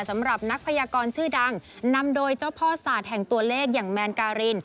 สำหรับนักพยากรชื่อดังนำโดยเจ้าพ่อศาสตร์แห่งตัวเลขอย่างแมนการิน